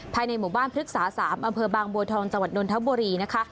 ภายในหมู่บ้านพฤกษา๓อำเภอบางบัวทองจังหวัดนทบุรีนะคะ